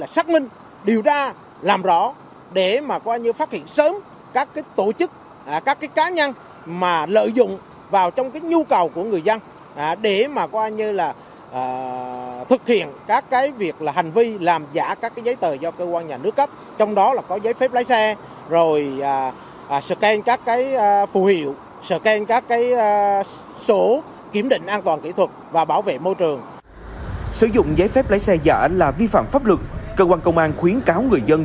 sử dụng giấy phép lái xe giả là vi phạm pháp lực cơ quan công an khuyến cáo người dân